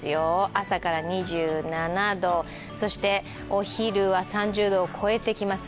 朝から２７度、そしてお昼は３０度を超えてきます。